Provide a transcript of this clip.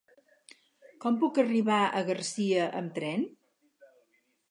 Com puc arribar a Garcia amb tren?